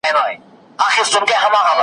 سندره .